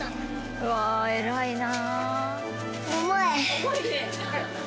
うわ偉いな。